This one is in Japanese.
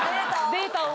データを。